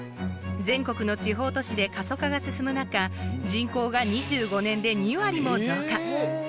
全国の地方都市で過疎化が進む中人口が２５年で２割も増加。